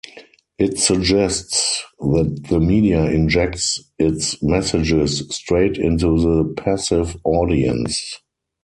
It suggests that the media injects its messages straight into the passive audience.